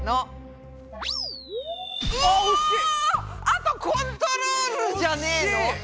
あとコントロールじゃねえの？